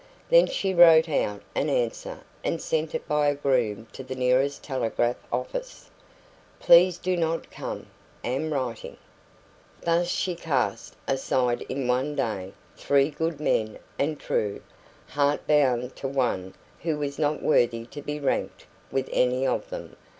Then she wrote out an answer and sent it by a groom to the nearest telegraph office: "Please do not come. Am writing." Thus she cast aside in one day three good men and true, heart bound to one who was not worthy to be ranked with any of them.